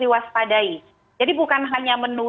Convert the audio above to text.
diwaspadai jadi bukan hanya